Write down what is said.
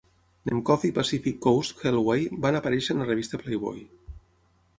Nemcoff i Pacific Coast Hellway van aparèixer en la revista "Playboy".